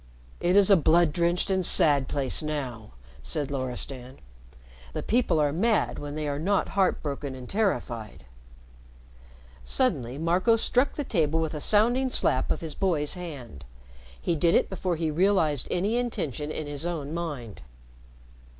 "It is a blood drenched and sad place now!" said Loristan. "The people are mad when they are not heartbroken and terrified." Suddenly Marco struck the table with a sounding slap of his boy's hand. He did it before he realized any intention in his own mind.